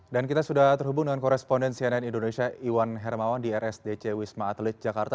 dan kita sudah terhubung dengan koresponden cnn indonesia iwan hermawan di rsdc wisma atlet jakarta